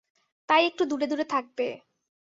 তাই একটু দূরে-দূরে থাকবে।